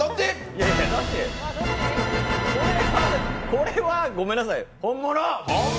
これはごめんなさい、本物！